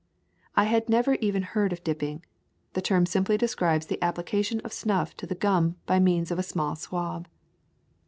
I had never even heard of dipping. The term simply describes the application of snuff to the gum by means of a small swab.